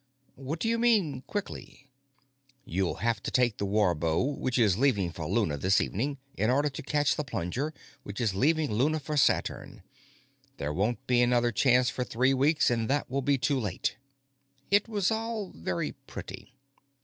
"What do you mean, 'quickly'?" "You'll have to take the Warbow, which is leaving for Luna this evening, in order to catch the Plunger, which is leaving Luna for Saturn. There won't be another chance for three weeks, and that will be too late." It was all very pretty.